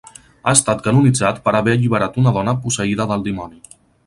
Ha estat canonitzat per haver alliberat una dona posseïda del dimoni.